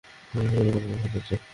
সেজন্য সেগুলো পডে রাখা হয়েছে।